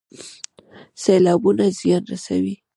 سیلابونه زیان رسوي